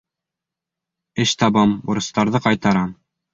Эш табам, бурыстарҙы ҡайтарам.